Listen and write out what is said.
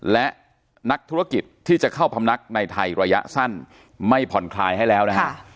และนักธุรกิจที่จะเข้าพำนักในไทยระยะสั้นไม่ผ่อนคลายให้แล้วนะฮะ